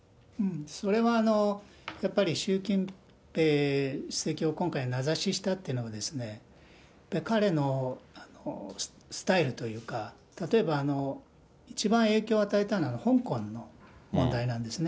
それはやっぱり、習近平主席を今回名指ししたというのは、彼のスタイルというか、例えば、一番影響を与えたのは、香港の問題なんですね。